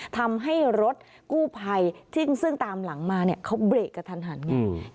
ทำให้รถกู้ภัยซึ่งตามหลังมาเนี่ยเขาเบรกกระทันหันไง